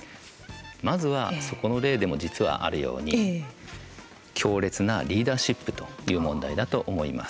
まずは、そこの例でも実はあるように強烈なリーダーシップという問題だと思います。